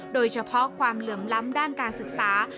โดยเฉพาะความเหลื่อมล้ำด้านการศึกษา